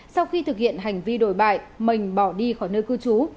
sau khi thực hiện hành vi đổi bại mình bỏ đi khỏi nơi cư trú